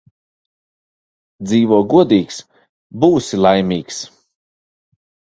Dzīvo godīgs – būsi laimīgs